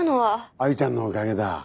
アイちゃんのおかげだ。